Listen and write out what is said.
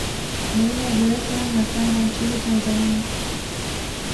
Baina ya Dar es Salaam na Tanga nchini Tanzania